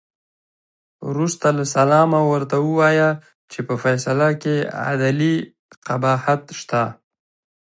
وروسته له سلامه ورته ووایه چې په فیصله کې عدلي قباحت شته.